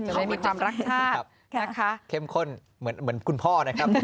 จะได้มีความรักชาติเข้มข้นเหมือนคุณพ่อนะครับ